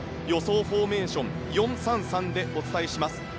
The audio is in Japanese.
予想フォーメーション４−３−３でお伝えします。